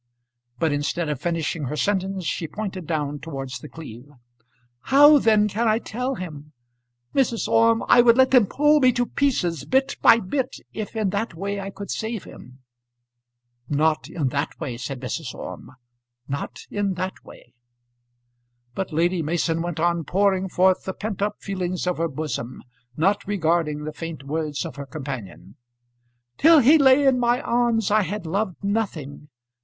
But instead of finishing her sentence she pointed down towards The Cleeve. "How, then, can I tell him? Mrs. Orme, I would let them pull me to pieces, bit by bit, if in that way I could save him." "Not in that way," said Mrs. Orme; "not in that way." But Lady Mason went on pouring forth the pent up feelings of her bosom, not regarding the faint words of her companion. "Till he lay in my arms I had loved nothing.